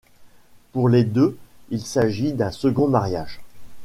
Pour les deux, il s'agit d'un second mariage.